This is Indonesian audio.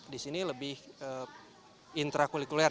di sini lebih intra kulikuler